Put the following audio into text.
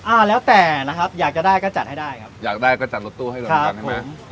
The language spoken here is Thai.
อ่าแล้วแต่นะครับอยากจะได้ก็จัดให้ได้ครับอยากได้ก็จัดรถตู้ให้บริการใช่ไหม